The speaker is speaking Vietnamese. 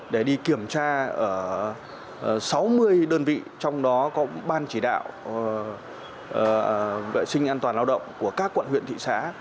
để đi kiểm tra ở sáu mươi đơn vị trong đó có ban chỉ đạo vệ sinh an toàn lao động của các quận huyện thị xã